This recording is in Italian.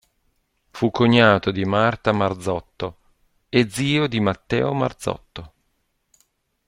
Fu cognato di Marta Marzotto e zio di Matteo Marzotto.